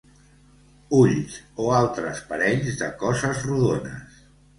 Ulls o altres parells de coses rodones.